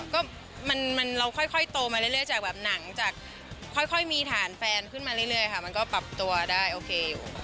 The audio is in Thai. ก็มันเราค่อยโตมาเรื่อยจากแบบหนังจากค่อยมีฐานแฟนขึ้นมาเรื่อยค่ะมันก็ปรับตัวได้โอเคอยู่